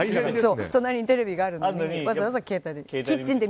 隣にテレビがあるのにわざわざ携帯で。